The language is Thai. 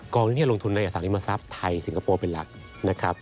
ที่จะลงทุนในอสังทรัพย์ไทยสิงคโปร์เป็นหลักนะครับ